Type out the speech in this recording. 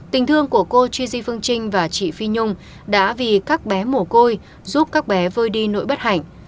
tình thương của cô chy phương trinh và chị phi nhung đã vì các bé mồ côi giúp các bé vơi đi nỗi bất hạnh